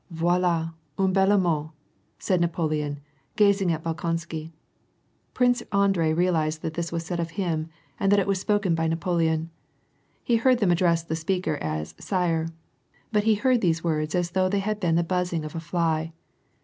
'< Voiluj une belle mort" said Napoleon, gazing at Bolkonsi Prince Andrei realized Uiat this was said of him, and that was spoken by Napoleon. He heard them address the s as '^ sire." But he heard these words as though they had the buzzing of a fly.